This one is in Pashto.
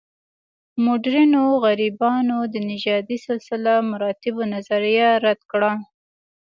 مډرنو غربیانو د نژادي سلسله مراتبو نظریه رد کړه.